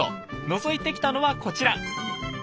のぞいてきたのはこちら。